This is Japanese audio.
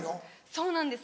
そうなんです。